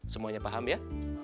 semuanya paham ya